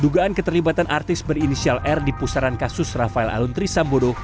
dugaan keterlibatan artis berinisial r di pusaran kasus rafael aluntri sambodo